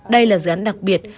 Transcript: đây là dự án đặc biệt